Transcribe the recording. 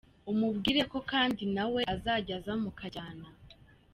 umubwire ko kandi nawe azajya aza mukajyana.